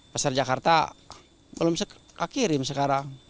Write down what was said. pasar jakarta belum bisa kakirim sekarang